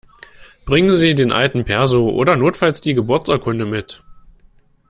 Bringen Sie den alten Perso oder notfalls die Geburtsurkunde mit!